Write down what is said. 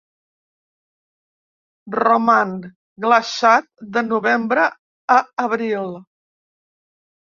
Roman glaçat de novembre a abril.